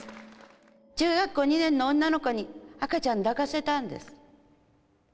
中学校２年の女の子に赤ちゃん抱かせたんです。